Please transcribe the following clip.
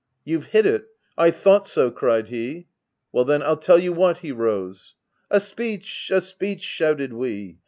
"' You've hit it — I thought so!' cried he. 1 Well then, I'll tell you what '— he rose. * c A speech, a speech !' shouted we.